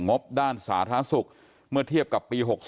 งบด้านสาธารณสุขเมื่อเทียบกับปี๖๒